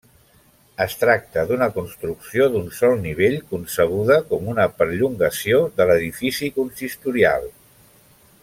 Es tracta d'una construcció d'un sol nivell concebuda com una perllongació de l'edifici consistorial.